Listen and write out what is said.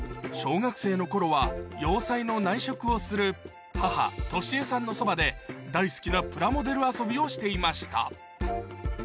小学生の頃は洋裁の内職をする母智江さんのそばで大好きなプラモデル遊びをしていました